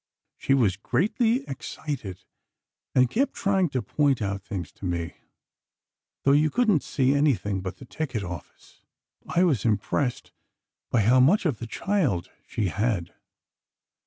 She was greatly excited, and kept trying to point out things to me, though you couldn't see anything but the ticket office. I was impressed by how much of the child she had.